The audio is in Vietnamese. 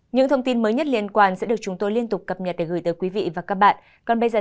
những thông tin mới nhất liên quan sẽ được chúng tôi liên tục cập nhật để gửi tới quý vị và các bạn